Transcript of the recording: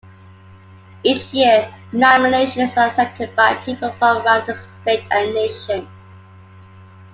Each year nominations are accepted by people from around the state and nation.